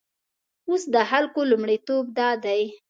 اوس د خلکو لومړیتوب دادی.